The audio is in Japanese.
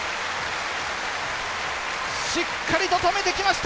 しっかり止めてきました！